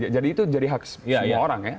jadi itu jadi hak semua orang ya